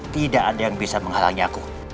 tidak ada yang bisa menghalangi aku